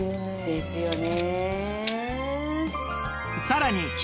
「ですよね」